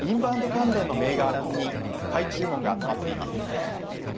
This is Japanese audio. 関連の銘柄に買い注文が集まっています。